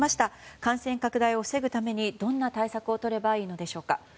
感染拡大を防ぐためにどんな対策をとればいいのでしょうか。